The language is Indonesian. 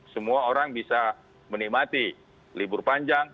semua orang bisa menikmati libur panjang